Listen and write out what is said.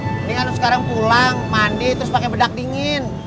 mendingan lu sekarang pulang mandi terus pakai bedak dingin